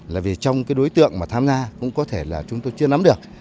là vì trong cái đối tượng mà tham gia cũng có thể là chúng tôi chưa nắm được